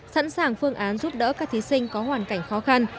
sẵn sàng phương án giúp đỡ các thí sinh có hoàn cảnh khó khăn